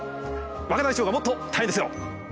若大将がもっと大変ですよ。